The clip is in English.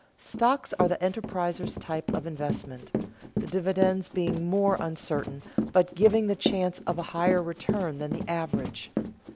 Stocks are the enterpriser's type of investment, the dividends being more uncertain, but giving the chance of a higher return than the average.